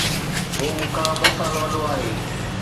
هو مون کان ٻه سال وڏو آهي